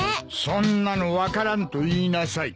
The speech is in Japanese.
そんなの分からんと言いなさい。